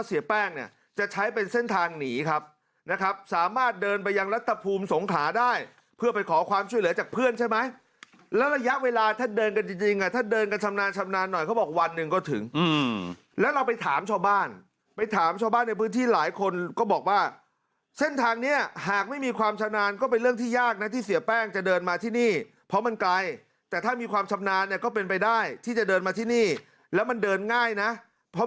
เพื่อนใช่ไหมแล้วระยะเวลาถ้าเดินกันจริงอ่ะถ้าเดินกันชำนาญชำนาญหน่อยเขาบอกวันหนึ่งก็ถึงแล้วเราไปถามชาวบ้านไปถามชาวบ้านในพื้นที่หลายคนก็บอกว่าเส้นทางเนี่ยหากไม่มีความชำนาญก็เป็นเรื่องที่ยากนะที่เสียแป้งจะเดินมาที่นี่เพราะมันไกลแต่ถ้ามีความชำนาญเนี่ยก็เป็นไปได้ที่จะเดินมาที่นี่แล้วมันเด